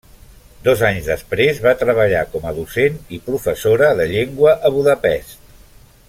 Dos anys després va treballar com a docent i professora de llengua a Budapest.